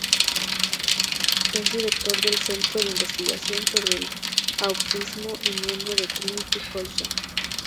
Es director del Centro de Investigación sobre el Autismo y miembro del Trinity College.